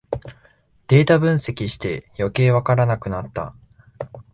データ分析してよけいわからなくなった